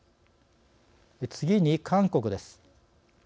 次に韓国です。